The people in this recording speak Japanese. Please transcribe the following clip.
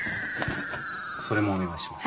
それもお願いします。